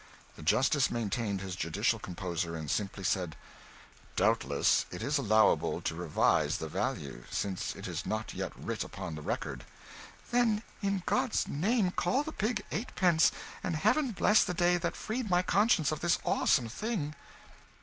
The justice maintained his judicial composure, and simply said "Doubtless it is allowable to revise the value, since it is not yet writ upon the record." "Then in God's name call the pig eightpence, and heaven bless the day that freed my conscience of this awesome thing!"